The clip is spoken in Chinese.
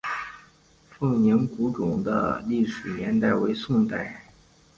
凤鸣古冢的历史年代为宋代。